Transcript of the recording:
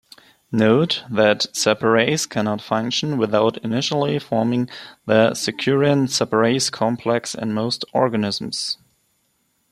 Note that separase cannot function without initially forming the securin-separase complex in most organisms.